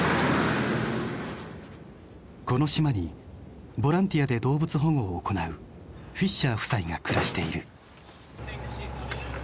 この島にボランティアで動物保護を行うフィッシャー夫妻が暮らしている。